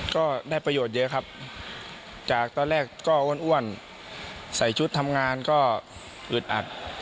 ก็ได้ประโยชน์เยอะครับจากตอนแรกก็อ้วนใส่ชุดทำงานก็อึดอัด